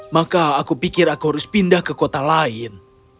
maka aku pikir aku harus pindah ke kota lain